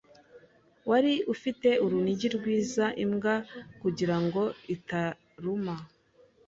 Wari ufite urunigi rwiza imbwa kugirango itaruma.